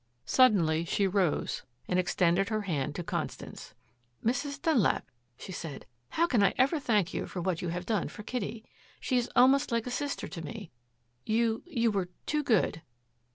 Suddenly she rose and extended her hand to Constance. "Mrs. Dunlap," she said, "how can I ever thank you for what you have done for Kitty? She is almost like a sister to me. You you were too good."